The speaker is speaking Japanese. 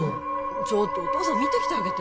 ちょっとお父さん見てきてあげて・